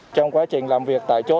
trong quá trình làm việc tại chốt